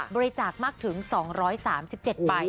บริจาคมากถึง๒๓๗ใบ